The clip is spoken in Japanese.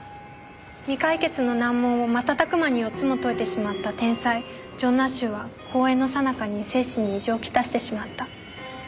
未解決の難問を瞬く間に４つも解いてしまった天才ジョン・ナッシュは講演のさなかに精神に異常をきたしてしまった。